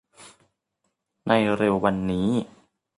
ในเร็ววันนี้